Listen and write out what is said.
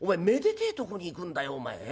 めでてえとこに行くんだよお前。